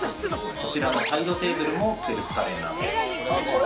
こちらのサイドテーブルもステルス家電なんです。